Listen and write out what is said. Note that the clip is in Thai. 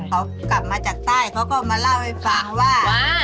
เขากลับมาจากใต้เขาก็มาเล่าให้ฟังว่า